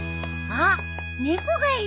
あっ！